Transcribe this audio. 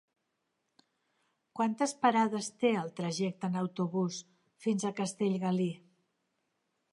Quantes parades té el trajecte en autobús fins a Castellgalí?